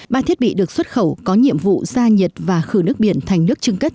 ba thiết bị được xuất khẩu có nhiệm vụ ra nhiệt và khử nước biển thành nước trưng cất